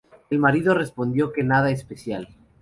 El marido respondió que nada especial.